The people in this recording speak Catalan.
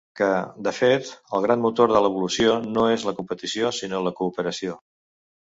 Que, de fet, el gran motor de l'evolució no és la competició, sinó la cooperació.